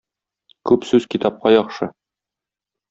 Күп сүз китапка яхшы.